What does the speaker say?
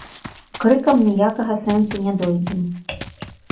Крыкам ніякага сэнсу не дойдзем.